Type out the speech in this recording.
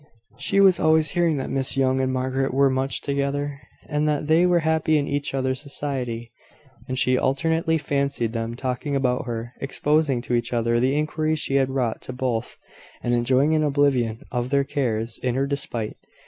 She was always hearing that Miss Young and Margaret were much together, and that they were happy in each other's society; and she alternately fancied them talking about her, exposing to each other the injuries she had wrought to both, and enjoying an oblivion of their cares in her despite.